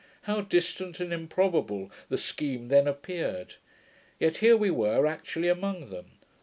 How distant and improbable the scheme then appeared! Yet here we were actually among them.